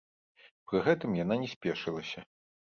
Пры гэтым яна не спешылася.